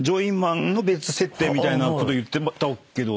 みたいなこと言ってたけど。